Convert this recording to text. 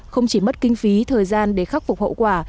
không chỉ mất kinh phí thời gian để khắc phục hậu quả